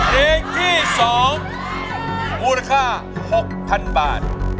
เกงที่สองมูลค่า๖๐๐๐บาท